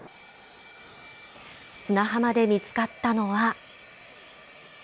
砂浜で見つかったのは。